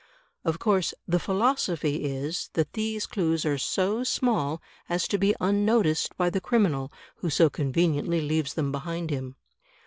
Of course, the philosophy is that these clues are so small as to be unnoticed by the criminal who so conveniently leaves them behind him.